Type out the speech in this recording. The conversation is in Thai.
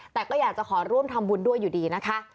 แต่ก็อยากจะขอร่วมทำบุญด้วยอยู่ดีนะคะ